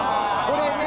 これね！